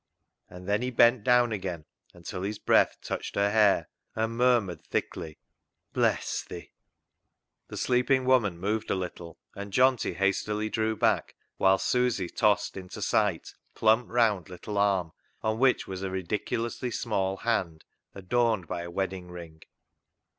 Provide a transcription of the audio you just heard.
" And then he bent down again until his breath touched her hair and murmured thickly —" Bless thi ; Bless thi." The sleeping woman moved a little, and Johnty hastily drew back whilst Susy tossed into sight a plump, round little arm, on which was a ridiculously small hand adorned by a wedding ring.